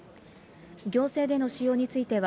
行政での使用については、